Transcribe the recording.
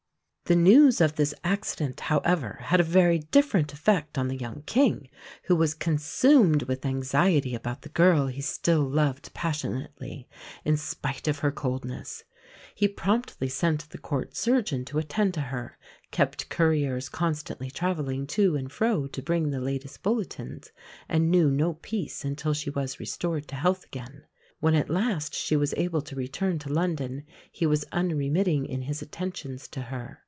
The news of this accident, however, had a very different effect on the young King, who was consumed with anxiety about the girl he still loved passionately, in spite of her coldness. He promptly sent the Court surgeon to attend to her; kept couriers constantly travelling to and fro to bring the latest bulletins, and knew no peace until she was restored to health again. When at last she was able to return to London he was unremitting in his attentions to her.